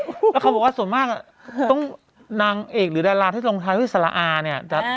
แล้วก็บอกว่าส่วนมากว่านางเอ็กต์หรือดาลาฬที่ตรงธรรมชาวณ์ที่สละอาร